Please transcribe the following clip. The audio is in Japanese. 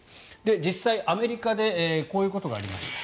実際、アメリカでこういうことがありました。